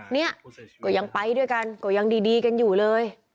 เนี่ยก็ยังไปด้วยกันก็ยังดีกันอยู่เลย